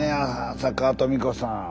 浅川とみ子さん。